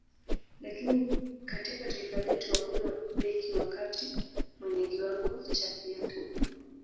Lakini katika taifa letu hakuna beki wa kati mwenye kiwango cha Yakub